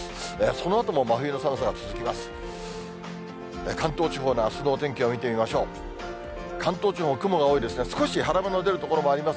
そのあとも真冬の寒さが続きます。